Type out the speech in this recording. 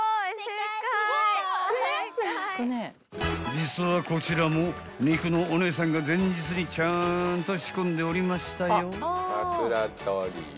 ［実はこちらも肉のお姉さんが前日にちゃんと仕込んでおりましたよ］